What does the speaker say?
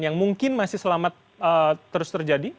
yang mungkin masih selamat terus terjadi